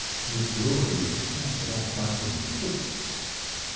There is glory and to spare without trifling with the truth.